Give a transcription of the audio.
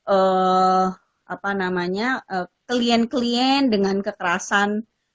apa namanya klien klien dengan kekerasan